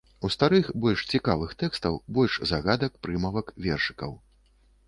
У старых больш цікавых тэкстаў, больш загадак, прымавак, вершыкаў.